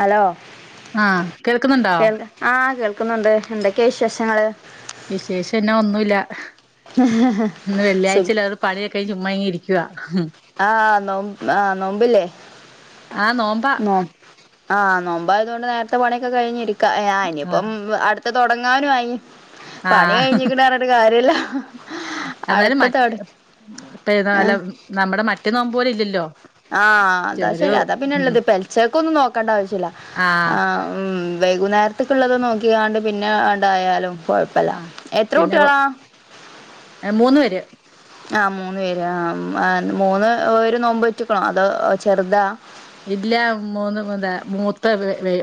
Hello ആഹ് കേൾക്കുന്നുണ്ടോ കേൾ ആ കേൾക്ക്ന്ന്ണ്ട് എന്തൊക്കേ വിശേഷങ്ങള് വിശേഷം എന്നാ ഒന്നുവില്ല ഇന്ന് സുഖ വെള്ളിയാഴ്ചല്ലേ അത്കൊണ്ട് പണിയൊക്കെ കഴിഞാ ചുമ്മാങ്ങനെ ഇരി ആ നോം ആ നോമ്പ് ല്ലേ ആഹ് നോമ്പാ നോ ആ നോമ്പായതുകൊണ്ട് നേരത്തെ പണിയൊക്കെ കഴിഞ്ഞിരിക്ക ഏ ആ ഇനിയിപ്പം ആഹ് അടുത്ത തൊടങ്ങാനു ആയി പണി ആഹ് കഴിഞ്ഞിക്ണർഞ്ട്ട് കാര്യല്ല എന്നാലും അടുത്ത തൊട മറ്റ് ആ നമ്മുടെ മറ്റേ നോമ്പ് പോലെ ഇല്ലല്ലോ ആ അതാ ഒരു ശരി അതാ പിന്നെ ഉം ഇള്ളത് പെലച്ചക്കകൊന്നും നോക്കണ്ട ആവശ്യല്ല ആഹ് ആ മ്മ് വൈകുന്നേരത്തേക്കുള്ളത് നോക്കികാണ്ട് പിന്നെ ആട്ടായാലും കൊഴപ്പല്ല ആഹ് എത്ര പിന്നെ കുട്ടികളാ മൂന്ന് പേര് ആ മൂന്ന് പേര് ആ മൂന്ന് പേര് നോമ്പോറ്റ്ക്കാണോ അതോ ചെറുതാ ഇല്ല മൂന്ന് എന്താ മൂത്ത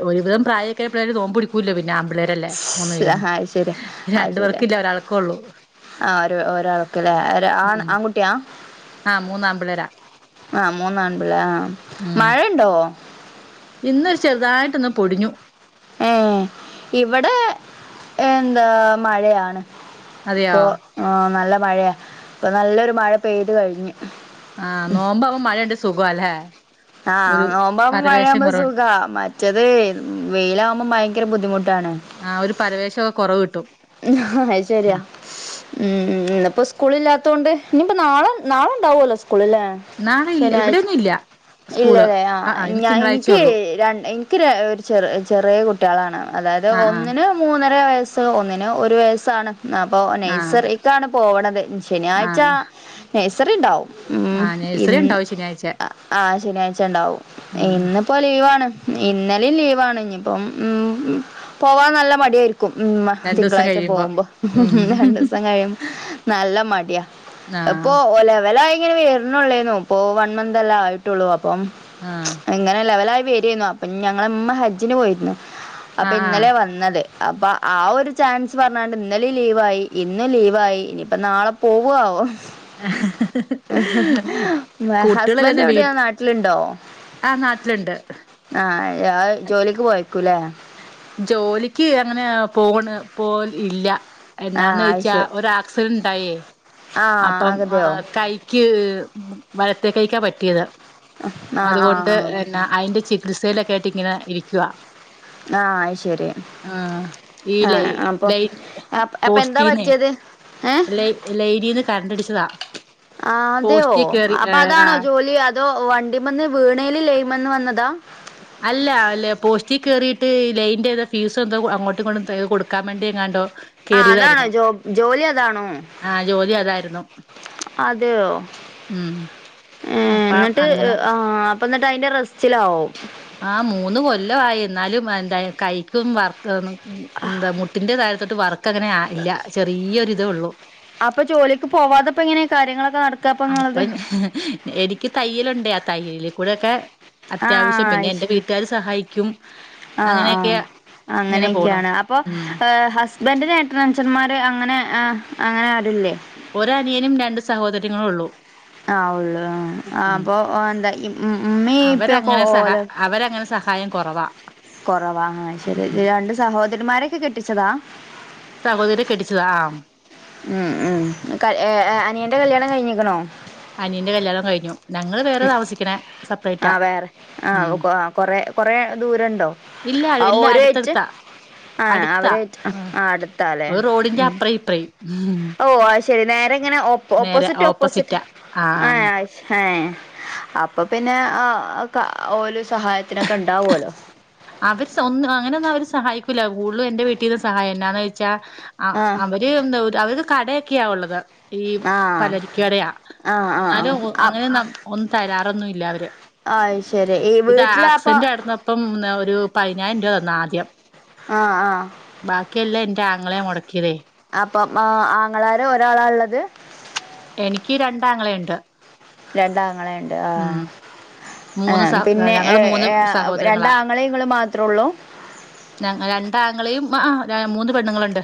ഒരുവിധം പ്രായൊക്കെ പിള്ളേര് തോമ്പി പിടിക്കൂല പിന്നെ പിള്ളേരല്ലേ മൂന്നു പേരും അത് ശരി അത് രണ്ടു ശരി പേർക്കില്ല ഒരാൾക്കൊള്ളൂ ആ ഒര് ഒരാൾക്ക് ലേ ആൺ ആൺകുട്ടിയാ ആഹ് മൂന്ന് ആമ്പിള്ളേരാ ആ മൂന്നാൺപിള്ളേ ആ ഉം മഴണ്ടോ ഇന്നൊരു ചെറുതായിട്ട് ഇന്ന് പൊടിഞ്ഞു ഏ ഇവിടെ എന്താ മഴയാണ് ഇപ്പൊ അതെയോ ആ നല്ല മഴയെ ഇപ്പൊ നല്ലൊരു മഴ പെയ്തു കഴിഞ്ഞു ആഹ് നോമ്പോ അവ മഴുണ്ട് സുഖംല്ലെ ആഹ് നോ്പോുമ്പോ മഴയാുമ്പോ കുറവുണ്ട് സുഖ മറ്റത് വെയിലാകുമ്പോ ഭയങ്കര ബുദ്ധിമുട്ട് ആ ഒരു പരവേശംൊക്കെ കുറവ് കിട്ടും അ ശരിയാ ഉംപ്പോ സ്കൂളില്ലാത്ത ത്തോണ്ട് ഇനിയിപ്പോ നാളെ നാളെ ഉണ്ടാവല്ലോ സ്കൂള അല്ലേ നാളെ ഇല്ല ശനിയാഴ്ച ഇവിടെയൊന്നും ഇല്ല സ്കൂള് ഇല്ലല്ലേ ആ ആഹ് ആഹ് ഇനി ഞ എനിക്ക് തിങ്കളാഴ്ചയള്ളൂ ര എനിക്ക് ഒരു ചെ ചെറിയ കുട്ടികളാണ് അതായത് ആഹ് ഒന്നിന് മൂന്നര വയസ്സ് ഒന്നിന് ഒരു വയസ്സാണ് അപ്പോൾ ആഹ് ആഹ് നഴ്സറിക്കാണ് പോവണത് ശനിയാഴ്ച ആഹ് നഴ്സറി ഉണ്ടാവും ഉം ആഹ് നഴ്സറി ഇന്ന് ഉണ്ടാവും ശനിയാഴ്ച ആ ശനിയാഴ്ച ഉണ്ടാവും ഉം ഇന്നിപ്പോ ലീവാണ് ഇന്നലെും ലീവാണ് ഇ ഇപ്പം ഉ പോവാൻ നല്ല മടിയായിരിക്കും ഉ രണ്ടു ദിവസം തിങ്കളാഴ്ച കഴിയുമ്പോ പോകുമ്പോ ഉം രണ്ടു ദിവസം കഴിയുമ്പോ നല്ല മഴ ആഹ് ഇപ്പൊ ലെവല ഇങ്ങനെ വറനള്ളേന്നോ ഇപ്പൊ വൺ മന്ത് എല്ലാം ആയിട്ടുള്ളൂ അപ്പം ആഹ് ഇങ്ങനെ ലെവലായി വരരുന്നു അപ്പൊ ഞങ്ങളമ്മ ഹജ്ജിന് പോയിരുന്നു അപ്പൊ ആഹ് ആഹ് ഇന്നലെ വന്നത് അപ്പൊ ആ ഒരു ചാൻസ് പറഞ്ഞാണ്ട് ഇന്നലെ ലീവായി ഇന്നും ലീവായി ഇനിയിപ്പോ നാളെ പോകുാവോ ഹസ്ബൻഡ് കുട്ടികളെല്ലാരും എവിടെയാ വീട്ട് നാട്ടിലുണ്ടോ ആഹ് നാട്ടിലുണ്ട് ആഹ ജോലിക്ക് പോയക്കൂലേ ജോലിക്ക് അങ്ങനെ പോണ് പോ ഇല്ല ആഹ് എന്നാന്ന് അത് ചോച്ചാ ശരി ഒ ആക്സിഡന്റ്ായേ അപ്പം ആഹ് അതെയോ കൈക്ക് വലത്തേ കഴിക്കാൻ പറ്റിയത് ആഹ് ആഹ് അതുകൊണ്ട് അതിന്റെ ച ബ്രിസലൊക്കെ ആയിട്ട് ഇങ്ങനെ ഇരിക്കുവ ആഹ ശരി ആഹ ഈ ലൈ ആഹ് അപ്പൊ ലൈ അപ്പൊ എന്താ പോസ്റ്റന്ന പറ്റിയത് ഏഹ് ല ലൈഡിന്ന് ക ആ അതെയോ കേറി അപ്പൊ അതാണോ ആഹ് ജോലി അതോ വണ്ടി വന്ന് വീണൽ ലയിമെന്ന് വന്നതാ ് ലൈൻന്റെറ താ ഫീസ എന്തോ അങ്ങോട്ടും കൊും കൊടുക്കാൻ വേണ്ടി എങ്ങാണ്ടോ ആഹ അതാണോ കേറിയതായിരുന്നു ജോ ജോലി അതാണോ ആഹ് ജോലി അതായിരുന്നു അതെയോ ഉം ഏ അപ്പം എന്നിട്ട് അങ്ങനെ ആ അ എന്നിട്ട് അതിന്റെ റെസ്റ്റിലാാവും ആ് മൂന്ന് കൊല്ലമായി എന്നാലും എന്താ കൈക്കും വർക്ക ഉ എന്താ മുട്ടിന്റെ താഴത്തോട്ട് വർക്ക അങ്ങനെ ഇല്ല ചെറിയൊരിതേ ഉള്ളൂ അപ്പൊ ജോലിക്ക് പോവാതെപ്പോ ഇങ്ങനെ കാര്യങ്ങളൊക്കെ നട അപ്പൊ എനിക്ക് തയ്യലുണ്ട ആ തയ്യല കൂടെൊക്കെ ആ അത്യാവശ്യം പിന്നെ അയ്ശ് എറെ വീട്ടുകാര് സഹായിക്കും ആ ആ അങ്ങനെയൊക്കെ അങ്ങനെയൊക്കെയാണ് അപ്പൊ ബറി നേട്ടനഞ്ച്ചന്മാർ അങ്ങനെ അങ്ങനെ ആരല്ലേ ഒ അനിയനും രണ്ട് സഹോദരയങ്ങള ഉള്ളൂ ആള്ളു ആ ഉം അപ്പൊ എന്താ ഉമ്മീ ഇപ്പൊ അവരങ്ങനെ സഹ ഓല അവരങ്ങനെ സഹായം കുറവാണ് കുറവാ ആഹ ശരി രണ്ട് സഹോദരിമാരൊക്കെ കെട്ടിച്ചതാ സഹോദരിയെ കട്ടിച്ചതാ ഉം ഉം അനിയന്റെ കല്യാണം കഴിഞ്ഞിക്കണോ അനിയന്റെ കല്യാണം കഴിഞ്ഞു ഞങ്ങള് വേറെ താമസിക്കണേ ആ സെപ്പറേറ്റാ വേറെ ആ കൊ ഉം കൊറെ കൊറെ ദൂരണ്ടോ ഇല്ല ആ ഇല്ല ഓരുവായിട്ട് അടുത്തടുത്താ ആ അടുത്താ അവരായിട്ട് ആ അടുത്താല്ലേ ഒരു റോഡിന്റെ ഉം അപ്രയും ഇപ്രയും ഓ അത് ശരി നേരെ ഇങ്ങനെ ഓപ്പോസിറ്റ് ഓപ്പോസിറ്റ് ആ ആഹ് ആഹ അപ്പൊ പിന്നെ ആ ഒരുഓ സഹായത്തിനൊക്കെ ഉണ്ടാവല്ലോ അവര് സൊന്തം അങ്ങനൊന്നും അവര് സഹായിക്കൂില്ല കൂടുതും എന്റെ വീട്ടീിൽ നിന്ന് സഹായം എന്താന്ന് ചോദച്ചാ ആ അവര് എന്താ അവര് കടയൊക്കെയാള്ളത് ഈ ആ പലരിക്കറയാ ആ ആ ആ എന്നാലും അ അങ്ങനെ ഒന്നും തരാറൊന്നുമല്ല അവര് അത് ശരി ഈ ഇത് വീട്ടിലപ്പ ആക്സിഡന്റ് ആയിടുന്നപ്പം ഒരു പതിനായിരം രൂപ തന്ന ആദ്യം ആഹ ആഹ ബാക്കിയല്ല എൻന്റെ ആങ്ങളെ മുടക്കിയതേ അപ്പം ആ ആങ്ങളാര് ഒരാളാ ഉള്ളത് എനിക്ക് രണ്ടാങ്ങളഉണ്ട് രണ്ടാങ്ങളെണ്ട് ആഹ ആ മൂന്ന് സ പിന്നെ ഞങ്ങള് മൂന്ന് സഹോദരങ്ങളാ രണ്ടാങ്ങളെങ്ങള്ൾ മാത്രേ ഉള്ളൂ ഞ രണ്ടാങ്ങളെയും ആ മൂന്ന് പെണ്ണുങ്ങളുണ്ട്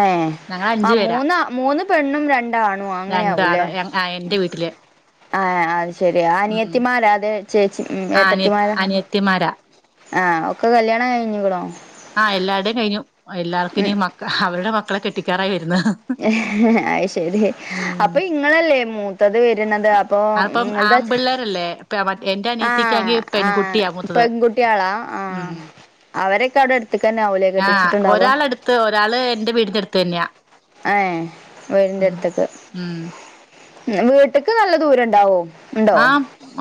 ഏ ഞങ്ങള് ആ അഞ്ചു പേരാ മൂന്ന മൂന്ന് പെണ്ണും രണ്ടാണു അങ്ങനെ ആാവൂല്ലേ ആ എറെ വീട്ടില് ആഹ് അത് ശരി ആ ഉം നിയിയത്തിമാരാ അതെ ചേച്ചി ഉ അനിയ ഏട്ടത്തിമാര അനിയത്തിമാരാ ആ ഒക്കെ കല്യാണം കഴിഞ്ഞ കടോ ആഹ എല്ലാരുടെേയും കഴിഞ്ഞു എല്ലാർക്കിന മ അവരുടെ മക്കളെ കെട്ടിക്കാറായി വരുന്ന അ ശരി ഉം അപ്പൊ ഇങ്ങളല്ലേ മൂത്തത് വരുന്നത് അപ്പൊ അപ്പം ആമ്പിള്ളേരല്ലേ എന്റെ എാ ആഹ അനിയത്തിക്കാങ്കി ആഹ പെൺകുട്ടിയാ ഇപ്പൊ മൂത്തത് പെൺകുട്ടി ആളാ ആഹ ഉം അവരൊക്കെ അവിടെ എടുത്തക്കന്നെ ആവല ആഹ് കെട്ടിച്ചിട്ടുണ്ടാവ ഒരാളടുത്ത് ഒരാള് എന്റെ വീടിന്റെ അടുത്ത് തന്നെയാ ആ വേടിന്റെ ഉം അടുത്തേക്ക് ഉം വീട്ടക്ക് നല്ല ദൂരം ഉണ്ടാവോ ഉണ്ടോ ആ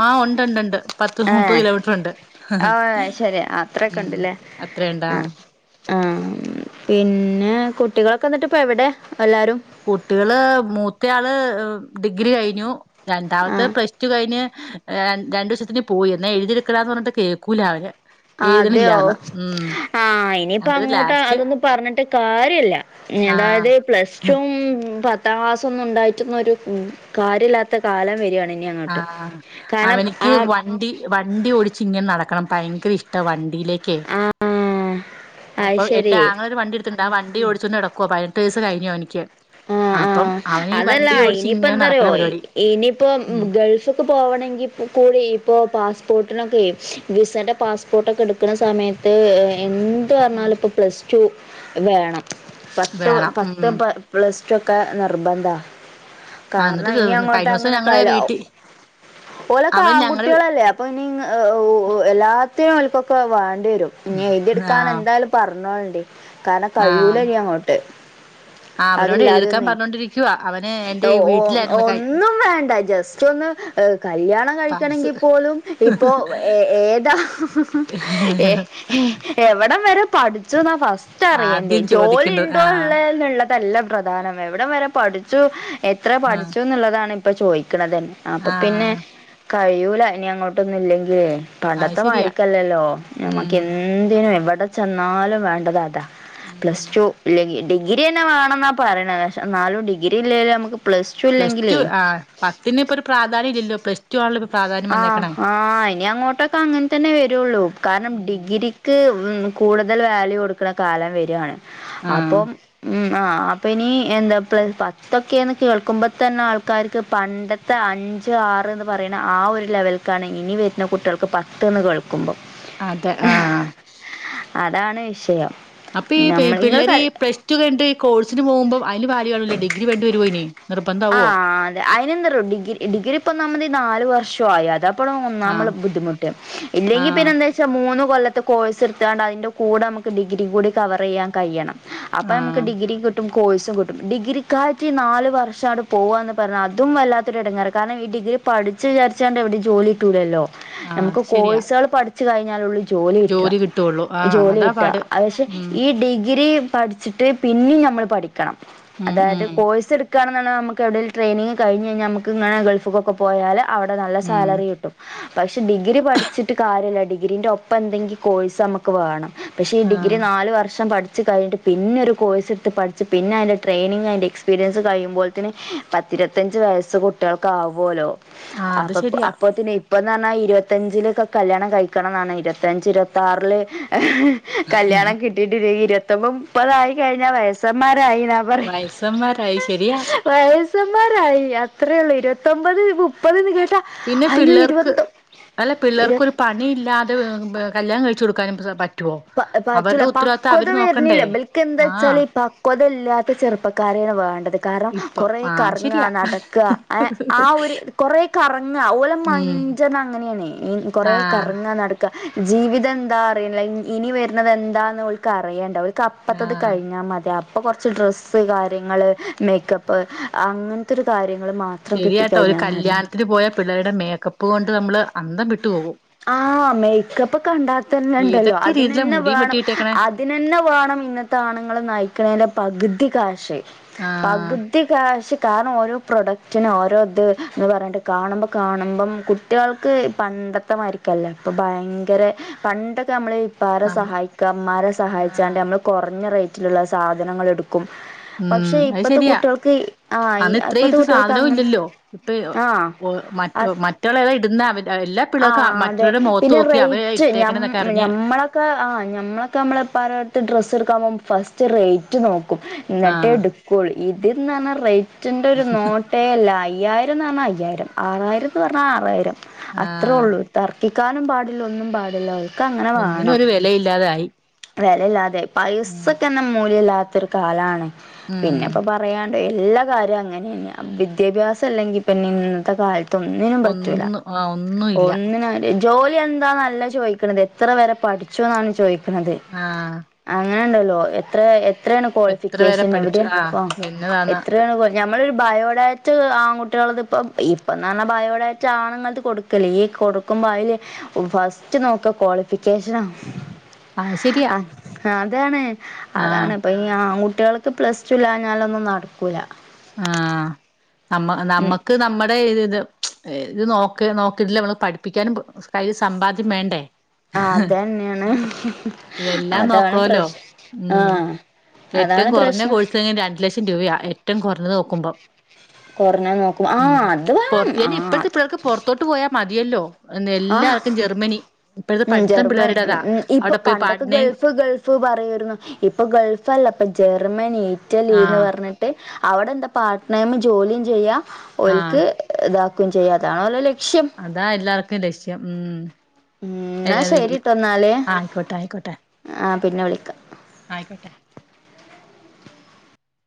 ആ ഉണ്ട ഉണ്ട് ഉണ്ട് പത്ത മുപ്പത് ഏഹ് കിലോമീറ്റർുണ്ട് ആഹ് ശരി ഉം അത്രേണ്ടാ ആ പിന്നെ കുട്ടികളൊക്കെ എന്നിട്ട് ഇപ്പ എവിടെ എല്ലാരും കുട്ടികള് മൂത്ത ആള് ഡിഗ്രി കഴിഞ്ഞു രണ്ടാമത്തെ ആഹ് പ്ലസ് ടു കഴിഞ്ഞ് രണ്ടുിവസത്തിന് പോയി എന്നാ എഴുതിയടുക്കണന്ന് പറഞ്ഞിട്ട് കേൾക്കൂല അവര് ആ അതെയോ എഴുതണില്ലാന്ന് ഉം ആ് ഇനിയിപ്പ എന്നിട്ട് അങ്ങോട്ട് ലാസ്റ്റ് അതൊന്നും പറഞ്ഞിട്ട് കാര്യല്ല ആഹ് അതായത് പ്ലസ് പത്താം ക്ലാസ്സ ഒന്നും ഉണ്ടായിട്ടുന്നൊ ഒരു കാര്യമില്ലാത്ത കാലം വരിയാണ് ആഹ അവനിക്ക് വണ്ടി വണ്ടി ഓടിച്ച് ഇങ്ങനെ നടക്കണം ഭയങ്കര ഇഷ്ട വണ്ടി യിലേ ആഹ് അത് അപ്പൊ എ ശരി ആങ്ങള ഒരു വണ്ടി എടു ണ്ട വണ്ടി ടിച്ചൊന്ന് എടക്കുവോ പതിനെട്ട ദിവസസ് കഴിഞ്ഞോ എനിക്ക് ആഹ ആഹ അതല്ല ഓടിച്ച് ഇനിയിപ്പോ ഇങ്ങനെ എന്താ നടക്കണ പറയോ പരിപാടി ഇനിയിപ്പോ ഉം ഗൾഫ ഒക്കെ പോകണമെങ്കിൽ കൂടി ഇപ്പോ പാസ്പോർട്ടിനൊക്കെ വിസന്റെ പാസ്പോർട്ടൊക്കെ എടുക്കുന്ന സമയത്ത് എന്ത് ഉം പറഞ്ഞാല ഇപ്പ പ്ലസ് ടു വേണം പത്ത് വേണം പത്ത് ഉം പ്ലസ് ഒക്കെ നിർബന്ധാ ആഹ് കാരണം എന്നിട്ട് ഇനി അങ്ങോട്ട് കഴിഞ്ഞ ദിവസം അങ്ങനെ ഞങ്ങളെ കലും വീട്ടി ഓലെ കാ അവൻ ഞങ്ങള് ആൺകുട്ടികളല്ലേ അപ്പൊ ഇനി എല്ലാത്തിും ൊക്കെ വേണ്ടി വരും ഇനി എഴുതിെടുക്കാൻ ആഹ് എന്തായാലും പറഞ്ഞോ കാരണം ആഹ് കഴിയൂലഞ്ഞി അങ്ങോട്ട് ആഹ് അവനോട് അതില്ലാ എഴുതിയെടുക്കാൻ അതൊന്നേ പറഞ്ഞോണ്ടിരിക്കുവാ അവന് എന്റെ ഈ വീട്ടിലായിരുന്നു കൈ ഒന്നും വേണ്ട ജസ്റ്റ് ഒന്ന് ഏ കല്യാണം പാസ് കഴിക്കണമെങ്കിൽ പോലും ഇപ്പോ ഏ ഏതാ ഏ എവിടം വരെ പഠിച്ചു എന്ന ഫസ്റ്റ് അറിയന്റെേ ആദ്യം ജോലി ചോദിക്കേണ്ടത് ഉണ്ടോ ആഹ് ഉള്ളുള്ള പ്രധാനം എവിടം വരെ പഠിച്ചു എത്ര ആഹ് പഠിച്ചു എന്നുള്ളതാണ് ഇപ്പ ചോദിക്കുന്നത് ന്നെ അപ്പൊ പിന്നെ ആഹ് കഴൂല ഇനി അങ്ങോട്ടൊന്നും ഇല്ലെങ്കില് അത് പണ്ടത്തെ ശരിയാ മാരിക്കല്ലല്ലോ ഉം നമ്മക്ക് എന്തിനും എവിടെ ചെന്നാലും വേണ്ടതാ അതാ ഉം പ്ലസ് ടു ഡിഗ്രി തന്നെ വേണംെന്നാ പറയണ പക്ഷ നാലും ഡിഗ്രി ഇല്ലെലും നമുക്ക് പ്ലസ് ടു ഇല്ലെങ്കിലേ പ്ലസ്ടു ആ പത്തിന് ഇപ്പൊ ഒരു പ്രാധാന്യം ഇല്ലോ പ്ലസ്ടു ആണ ആഹ് ആഹ് ഇനി അങ്ങോട്ടൊക്കെ അങ്ങനെ തന്നെ വെരോള്ളൂ കാരണം ഉം ഡിഗ്രിക്ക് മ് കൂട്തൽ വാല്യൂ കൊട്ക്ക്ണ കാലം വെരാണ് ആഹ് അപ്പം മ് ആഹ് അപ്പ ഇനി എന്താ പ്ള് പത്തൊക്കേന്ന് കേൾക്കുമ്പതന്നെ ആൾക്കാര്ക്ക് പണ്ടത്തെ അഞ്ച് അഞ്ച്, ആറ്ന്ന് പറയ്ണ ആ ഒര് ലെവൽക്കാണ് ഇനി വര്ണ കുട്ട്യാൾക്ക് പത്ത്ന്ന് കേൾ അതെ ആഹ് അതാണ് വിഷയം അപ്പേ ഈ പേ നമ്മൾ ഇങ്ങള് പിള്ളേര് കൽ പ്ലസ് റ്റു കയിഞ്ഞ്ട്ട് കോഴ്സിന് പോകുഭം അതിന് പായണില്ലേ ഡിഗ്രി പണ്ട് പോയിണത് ആഹ് അതെ അയിനെന്താറോ ഡിഗ്രി ഡിഗ്രി ഇപ്പൊന്നാമതീ നാല് വർഷായി അതാ ള്ളെ ഒന്നാമ്മള്ളെ ആഹ് ബുദ്ധിമുട്ട് ആഹ് ഇല്ലെങ്കിപിന്നെന്താച്ചാ മൂന്ന കൊല്ലത്തെ കോഴ്സ്ട്ത്ത്ങ്ങാണ്ട് അയിൻ്റെ കൂടെ മ്മക്ക് ഡിഗ്രി കൂടി കവറീയ്യാൻ കയ്യണം. അപ്പ ഞമ്മക്ക് ആഹ് ഡിഗ്രീം ക്ട്ടും കോഴ്സും ക്ട്ടും ഡിഗ്രിക്കായ്റ്റീ ഈ നാല് വർ ഷങ്ങട്ട് പോവാന്ന് പറഞ്ഞാ അതും വല്ലാതൊര് എടങ്ങേറ്. കാരണം ഈ ഡിഗ്രി പഠിച്ചു വിചാരിച്ച്ങ്ങാട്ട് എവടീം ജോലിക്ട്ടൂലല്ല ആഹ് നമ്മക്ക് അത് ശരിയാ കോഴ്സാള് പഠിച്ച് കഴിഞ്ഞാലൊള്ളി ജോലി ക്ട്ടാ. കിട്ടുള്ളൂ ആഹ് ജോലി അതാ ക്ട്ടാ. പാട് അ പഷെ ഉം ഈ ഡിഗ്രീം പഠിച്ച്ട്ട് പിന്നീം ഞമ്മള് പഠിക്കണം. ഉം അതായത് ഉം കോഴ്സ് എട് ക്കണം ഞമ്മക്ക് എവടേലും ട്രെനിങ് കഴഞ്കയിഞാ ഞമ്മക്ക് ങ്ങനെ ഗൾഫ് ക്കൊക്കെ പോയാൽ അവടെ നല്ല ഉം സാലറി കിട്ടും. പക്ഷെ ഡിഗ്രി പഠിച്ചിട്ട് കാര്യല്ല ഡി ഗ്രീന്റെ ഒപ്പന്തെങ്കിലും കോഴ്സ് നമ്മക്ക് വാണം. പക്ഷെ ഈ ഡിഗ്രി ആഹ് നാല് വർഷം പഠി ച്ച് കഴിഞ്ഞിട്ട് പിന്നെ ഒരു കോഴ്സ്ട്ത്ത് പഠിച്ച് പിന്നയ്ന്റെ ട്രെയിനിങ് അയ്ന്റെ എക്സ്പീരിയൻസ് കഴിയുമ്പോഴത്തിന് പത്തിരുവത്തഅഞ്ചുവയസ്സ് കുട്ടികൾക്ക് ആവോല്ലോ ആഹ് അത് അപ്പപ് ശരിയാ അപ്പത്തിന് ഇപ്പട്ത് പറഞ്ഞാൽ ഇരുപത്തിഞ്ചിലൊക്കെ കല്യാണം കഴിക്കണന്നാണ് ഇരുപത്തിഞ്ച് ഇരുപത്താർല് കല്യാണം കിട്ടിട്ടില്ലങ്കി ഇരുപതൊമ്പത് മുപ്പതായി കഴിഞ്ഞാ വയസ്സമ്മാ രായീന്നാ പറയ് അയ് ശെരിയാ മാരായി അത്രേള്ളൂ ഇരുപത്തൊമ്പത് മുപ്പത് കേട്ടാൽ പിന്നെ അയ്യോ പിള്ളേർക്ക് ഇരുപത്തൊ അല്ല ഇരുപത് പിള്ളേർക്കൊരു പണി ഇല്ലാതെ വ് എ കല്യാണം കയി ച്ചൊട്ക്കാനും സോ പറ്റ് പ പറ്റില്ല പക്വത നോക്കണ്ടേ വര്ന്നില്ല ആഹ് ബൽക്കെന്താച്ചാല് പക്വതൽ ല്ലാത്ത ചെറുപ്പക്കാരെണ് വേണ്ടത്. കാരണം ഇപ്പൊ കൊറേ ആഹ് കറങ്ങാ ശരിയാ നടക്കാ എ ആ ഒര് കൊറേ കറങ്ങാ ഓലം വാങ്ങി ഉം ഞ്ചതങ്ങനേണ് കൊറേ ആഹ് കറങ്ങാ നടക്കാ ജീവിതം എന്താ അറീണില. ഇനി വെര്ണതെന്താന്ന് ഓൾക്കറിയണ്ടാ കപ്പത്തത് ആഹ് കഴിഞ്ഞാൽ മതി. അപ് ഇപ്പ കൊർച്ച് ഡ്രസ്സ് കാര്യങ്ങള് മേക്കപ്പ് അങ്ങനത്തെര് കാര്യങ്ങ ശെരിയായിട്ടോ ഒര് കല്യാണത്തിന് പോയ പിള്ളേര്ടെ മേക്കപ്പ് കൊണ്ട് നമ്മള് അന്തം വിട്ടു പോകും ആഹ് മേയ്ക്കപ്പ് കണ്ടാത്തന്നെണ്ടല്ലോ ഏതൊക്കെ രീതിയിലാ അതിനെന്നെ മുടിയും വേണം വെട്ടിയിട്ടേക്കണേ അതിനെന്നെ വേണം ഇന്നത്തെ ആണുങ്ങള് നയ്ക്കെണേന്റെ പക്തി കാശ് ആഹ് പക്തി കാശ് കാ ഓരോ പ്രോഡക്റ്റ്ന് ഓരോത് ന്ന് പറഞ്ഞിട്ട് കാണുമ്പോ കാണുമ്പം കുട്ട്യാൾക്ക് പണ്ടത്തെ മാരിക്കല്ല അപ്പ ഭയങ്കര പണ്ടൊക്കമ്മള് ഇപ്പാരെ നമ്മ സഹായിക്കാ ഇമ്മാരെ സഹായിച്ചാണ്ട് ആഹ് ഞമ്മള് കുറഞ്ഞ റേയ്റ്റില്ള്ള സാധനങ്ങൾ എട്ക്കും. ഉം പക്ഷെ അത് ഇപ്പത്തെ ശരിയാ കുട്ട്യാൾക്ക് ആഹ് യി അന്ന് ഇത്രയും ഇപ്പത്തെ ഇത് കുട്ട്യാൾക്കങ്ങനെ ആഹ് മറ്റു മറ്റുള്ളര്ഇട്ന്നാ ആഹ് അതെ പിന്നെ അവരാ റേറ്റ് ഞ്ഞം ഇട്ടേക്കണന്നൊക്കെ അറിഞ്ഞ് ഞമ്മളക്ക ആഹ് ഞമ്മളക്ക ഞമ്മളെപ്പാരെ ത്ത് ഡ്രസ് എടുക്കാ ഫസ്റ്റ് റേറ്റ് നോക്കും ന്ന്ട്ടേ ആഹ് എട്ക്കുള്ളൂ. ഇതിന്ന് പർഞ്ഞാ റേറ്റ് അയ്റ്റൻ്റെ ഒര് നോട്ടേല്ല. അയ്യായിരം ന്നറഞ്ഞാ അയ്യായിരം. ആറായിരംന്ന് പറഞ്ഞാ ആറായിരം. ആഹ് അത്രേള്ളൂ തർക്കിക്കാനും പാടില്ല. ഒന്നും പാടില്ല. ഓൽക്കങ്ങനെ ഒന്നിനും വാണം. ഒരു വിലയില്ലാതായി വെലല്ലാതായി ഉം പൈസക്കെന്നെ മൂല്യല്ലാത്തൊര് കാലാണ്. ഉം പിന്നപ്പോപറയാ എല്ലാ കാര്യവും അങ്ങനെ തന്നെയ വിദ്യാഭ്യാസം അല്ലെങ്കിൽ പിന്നെ ഇന്നത്തെ കാലത്ത് തൊന്നിനും പറ്റൂല ഒന്നും ആഹ് ഒന്നുമില്ല ഒന്നിനൊര് ജോലി എന്താന്നല്ല ചോദിക്കണത് എത്ര വരെ പഠിച്ചു എന്നാണ് ചോദിക്കുന്നത് ആഹ് [unintelligible] അങ്ങനെ ഉണ്ടല്ലോ എത്ര [unintelligible] എത്രാണ് എത്ര പേരെ ക്വാളിഫിക്കേഷൻ പഠിച്ചു എവിടെയ ആഹ് എന്നതാന്ന് എത്രയാണ് നമ്മളരു ബയോഡാറ്റ് ആൺകുട്ടികൾത് ഇപ്പ ഇപ്പ എന്ന് പറഞ്ഞാൽ ബയോഡാറ്റ് ആണുങ്ങൾ കൊടുക്ക ലീ കൊടുക്കുമ്പോ അയ്ൽ ഫസ്റ്റ് നോക്ക ക്വാളിഫിക്കേഷനാ ആഹ ശരിയാ ആഹ് അതാണ് അതാണ് ആഹ് ഇപ്പൊ ഈ ആൺകുട്ടികൾക്ക് പ്ലസ് ടു ഇല്ലഞ്ഞാലൊന്നും നടക്കൂല ആഹ് ഉം ഏ ഇത് നോക്ക് നോക്കിട്ടില്ല നമ്മൾ പഠിപ്പിക്കാനും കയ്ൽ സമ്പാദ്യം വേണ്ടേ ആ അത തന്നെയാണ് ഇതെല്ലാം അതാണ് നോക്കണോല്ലോ പ്രശ് ഉം ആഹ ഏറ്റവും കുറഞ്ഞ കോഴ്സ് രണ്ടു ലക്ഷം രൂപയാ ഏറ്റവും കുറഞ്ഞ നോക്കുമ്പം കൊറഞ്ഞ നോക്കും ആഹ് അത് ഉംറ വേണം ഇനി ആഹ് ഇപ്പഴത്തെ അത് ഇപ്പേർക്ക് പുൊറത്തോട്ട് പോയാൽ മതിയല്ലോ ആഹ് എല്ലാർക്കും ജർമ്മനി ഇപ്പോഴത്തെ ഉം പഠിത്തം ജർമ്മനി പിള്ളേരുട ഉം അതാ അവിടെ പോയി പാടിന പറയരുന്നു ഇപ്പൊ ഗൾഫല്ല ഇപ്പൊ ജർമ്മനി റ്റ ലീന്ന് ആഹ് പറഞ്ഞിട്ട് അവിടെ എന്താ പാർട്ട്നൈും ജോലിയും ചെയ്യാ ആഹ് ഒക്ക് ഇത ചെയ്യാതണോല്ലോല്ലേ അതാ എല്ലാർക്കും ലക്ഷ്യം ഉം ഉം എന്നാ ശരിട്ടോ [unintelligible] എന്നാല് ആ ആയിക്കോട്ടെ ആയിക്കോട്ടെ ആ പിന്നെ വിളിക്കാം ആയിക്കോട്ടെ